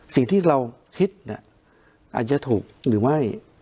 สิ่งที่เราคิดอาจจะถูกหรือไม่